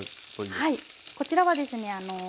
こちらはですね